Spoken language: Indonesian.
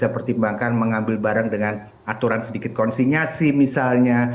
dia bisa pertimbangkan mengambil barang dengan aturan sedikit konsenasi misalnya